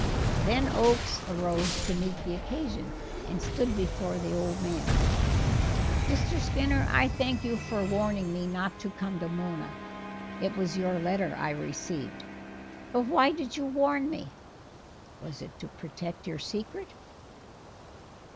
Then Oakes arose to meet the occasion, and stood before the old man: "Mr. Skinner, I thank you for warning me not to come to Mona it was your letter I received. But why did you warn me? Was it to protect your secret?"